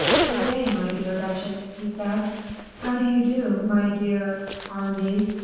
"Good day, my dear duchesse," he said. "How do you do, my dear Aramis?"